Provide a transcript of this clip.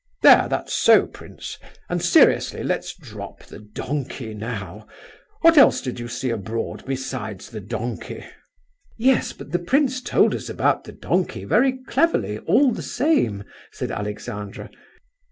There, that's so, prince; and seriously, let's drop the donkey now—what else did you see abroad, besides the donkey?" "Yes, but the prince told us about the donkey very cleverly, all the same," said Alexandra.